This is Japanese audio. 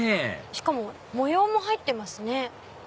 しかも模様も入ってますね。